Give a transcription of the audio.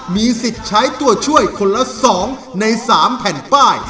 มีสิทธิ์ใช้ตัวช่วยคนละ๒ใน๓แผ่นป้าย